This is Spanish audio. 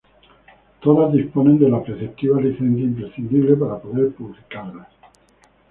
Todas disponen de la preceptiva licencia, imprescindible para poder publicarlas.